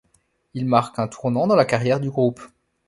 Il marque un tournant dans la carrière du groupe.